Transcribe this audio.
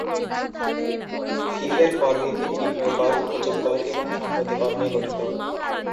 ফিফের কর ভিত্তি বিক্রয় কর, উপযোগ কর এবং সম্পত্তি কর নিয়ে গঠিত।